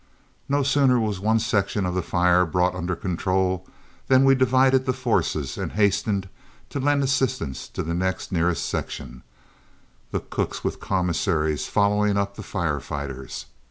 No sooner was one section of the fire brought under control than we divided the forces and hastened to lend assistance to the next nearest section, the cooks with commissaries following up the firefighters.